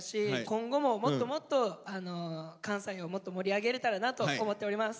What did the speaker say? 今後ももっともっと関西をもっと盛り上げれたらなと思っております。